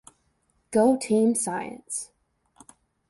Go team science!